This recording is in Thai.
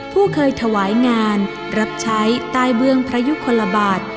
ผู้เคยถวายงานรับใช้ใต้เบื้องพระยุคลบาท